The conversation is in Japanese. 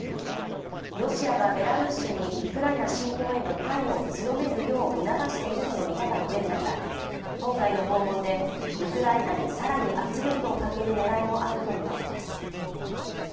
ロシアがベラルーシにウクライナ侵攻への関与を強めるよう促しているとの見方も出る中、今回の訪問でウクライナに更に圧力をかける狙いもあるとみられます。